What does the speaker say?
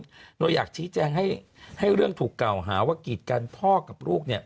เราอยากชี้แจงให้เรื่องถูกเก่าหาว่ากีดกันพ่อกับลูกเนี่ย